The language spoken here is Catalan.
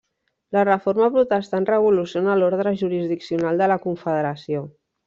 La Reforma protestant revoluciona l'ordre jurisdiccional de la Confederació.